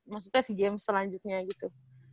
maksudnya si game selanjutnya gitu